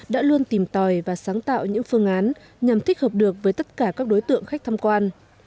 đã luôn tìm tòi và sáng tạo những phương án nhằm thích hợp được với tất cả các đối tượng khách tham quan